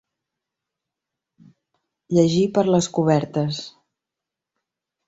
Llegir per les cobertes.